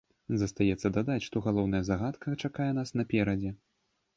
Застаецца дадаць, што галоўная загадка чакае нас наперадзе.